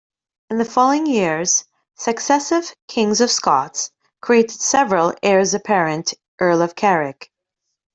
In the following years, successive Kings of Scots created several heirs-apparent Earl of Carrick.